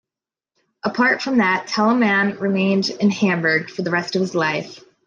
Apart from that, Telemann remained in Hamburg for the rest of his life.